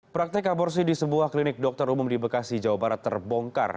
praktek aborsi di sebuah klinik dokter umum di bekasi jawa barat terbongkar